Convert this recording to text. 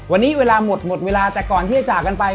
วันนี้เวลาหมดหมดเวลาแต่ก่อนที่จะจากกันไป